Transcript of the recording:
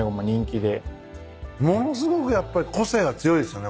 ものすごくやっぱ個性が強いですよね